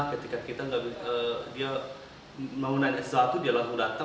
ketika kita dia mau nanya sesuatu dia langsung datang